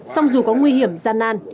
xong dù có nguy hiểm gian nan